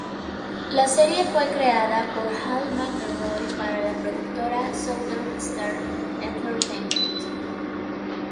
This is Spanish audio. La serie fue creada por Hal McElroy para la productora Southern Star Entertainment.